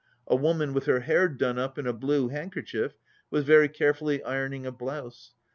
A woman with her hair done up in a blue handkerchief was very carefully ironing a blouse.